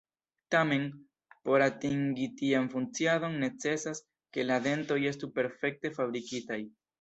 Tamen, por atingi tian funkciadon, necesas ke la dentoj estu perfekte fabrikitaj.